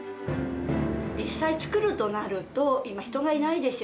実際作るとなると、今、人がいないでしょ。